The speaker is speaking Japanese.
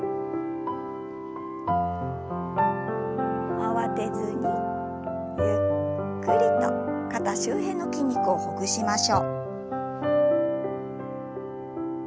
慌てずにゆっくりと肩周辺の筋肉をほぐしましょう。